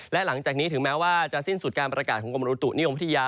และหลังจากนี้ถึงแม้ว่าจะสิ้นสุดการประกาศของกรมอุตุนิยมวิทยา